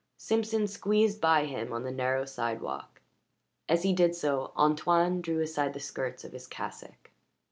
Simpson squeezed by him on the narrow sidewalk; as he did so, Antoine drew aside the skirts of his cassock.